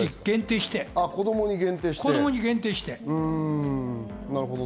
子供に限定して。